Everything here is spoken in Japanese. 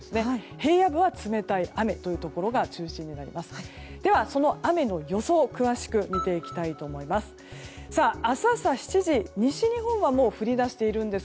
平野部は冷たい雨というところが中心になります。